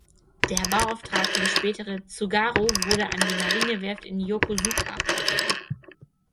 Der Bauauftrag für die spätere "Tsugaru" wurde an die Marinewerft in Yokosuka vergeben.